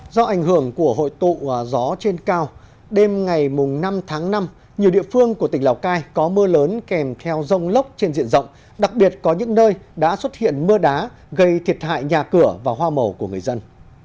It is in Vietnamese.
do ảnh hưởng của hội tụ gió trên cao đêm ngày năm tháng năm nhiều địa phương của tỉnh lào cai có mưa lớn kèm theo rông lốc trên diện rộng đặc biệt có những nơi đã xuất hiện mưa đá gây thiệt hại nhà cửa và hoa màu của người dân